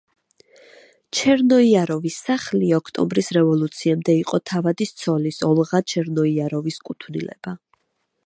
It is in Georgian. ჩერნოიაროვის სახლი ოქტომბრის რევოლუციამდე იყო თავადის ცოლის ოლღა ჩერნოიაროვის კუთვნილება.